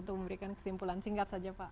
untuk memberikan kesimpulan singkat saja pak